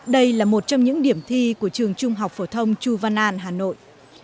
đây là một trong những điểm thi của trường trung học phổ thông chu văn an hà nội